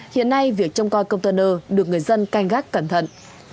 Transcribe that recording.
hiện nay việc trông coi container được người dân canh gác cẩn thận